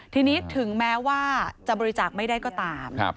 ทีนี้ถึงแม้ว่าจะบริจาคไม่ได้ก็ตาม